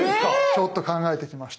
ちょっと考えてきました。